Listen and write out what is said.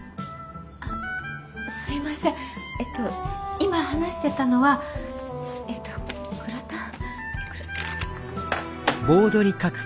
今話してたのはえっとグラタン？